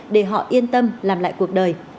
để họ yên tâm làm lại cuộc đời